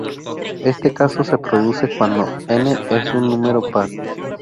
Este caso se produce cuando n es un número par.